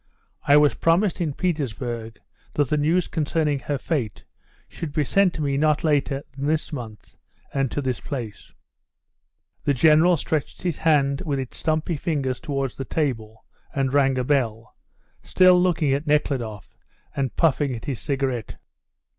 "I was promised in Petersburg that the news concerning her fate should be sent to me not later than this month and to this place " The General stretched his hand with its stumpy fingers towards the table, and rang a bell, still looking at Nekhludoff and puffing at his cigarette.